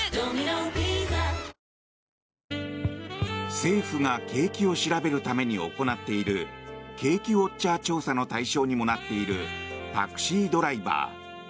政府が景気を調べるために行っている景気ウォッチャー調査の対象にもなっているタクシードライバー。